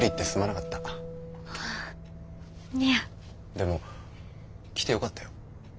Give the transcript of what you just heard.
でも来てよかったよ。